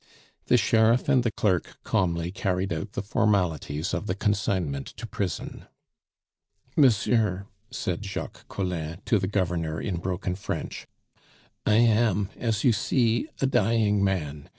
The sheriff and the clerk calmly carried out the formalities of the consignment to prison. "Monsieur," said Jacques Collin to the Governor in broken French, "I am, as you see, a dying man.